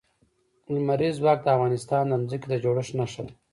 لمریز ځواک د افغانستان د ځمکې د جوړښت نښه ده.